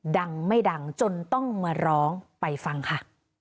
ดังไม่ดังจนต้องมาร้องไปฟังค่ะ